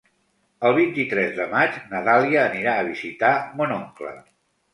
El vint-i-tres de maig na Dàlia anirà a visitar mon oncle.